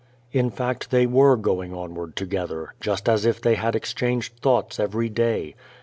In fact, they were going onward together, just as if they had exchanged thoughts every day.